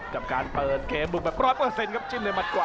กับการเปิดเกมบุกแบบ๑๐๐ครับจิ้มด้วยมัดขวา